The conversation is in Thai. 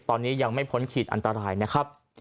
ตอนนี้ยังไม่พ้นขีดอันตรายนะครับ